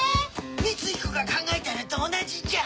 ⁉光彦が考えたのと同じじゃん！